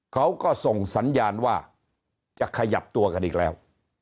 เขาก็ส่งสัญญาณว่าจะขยับตัวกันอีกแล้ว